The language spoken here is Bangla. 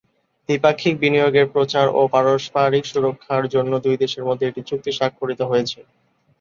দ্বিপাক্ষিক বিনিয়োগের প্রচার ও পারস্পরিক সুরক্ষার জন্য দুই দেশের মধ্যে একটি চুক্তি স্বাক্ষরিত হয়েছে।